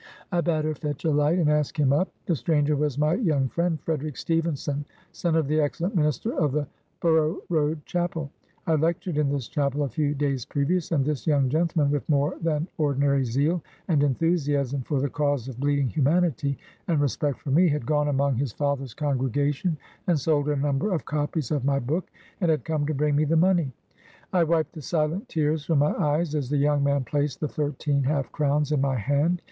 I bade her fetch a light, and ask him up. The stranger was my young friend, Frederick Stephenson, son of the excellent minister of the Bor ough Road Chapel. I lectured in this chapel a few days previous, and this young gentleman, with more than ordinary zeal and enthusiasm for the cause of bleeding humanity and respect for me, had gone among his father's congregation and sold a number of copies 72 BIOGRAPHY OF of my book, and had come to bring me the money. I wiped the silent tears from my eyes, as the young man placed the thirteen half crowns in my hand.